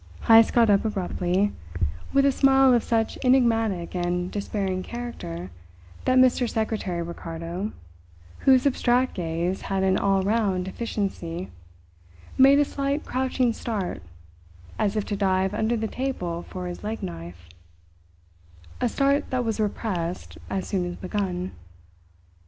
Heyst got up abruptly, with a smile of such enigmatic and despairing character that Mr. Secretary Ricardo, whose abstract gaze had an all round efficiency, made a slight crouching start, as if to dive under the table for his leg knife a start that was repressed, as soon as begun.